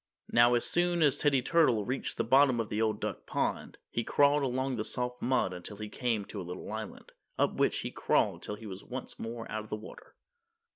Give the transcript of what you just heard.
Now as soon as Teddy Turtle reached the bottom of the Old Duck Pond, he crawled along on the soft mud until he came to a little island, up which he crawled till he was once more out of the water.